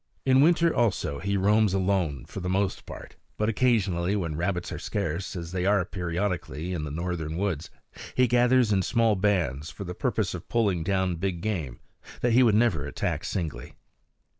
In winter also he roams alone for the most part; but occasionally, when rabbits are scarce, as they are periodically in the northern woods, he gathers in small bands for the purpose of pulling down big game that he would never attack singly.